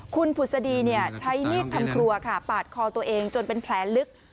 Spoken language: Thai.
คุณผุศดีใช้มีดทำครัวค่ะปาดคอตัวเองจนเป็นแผลลึก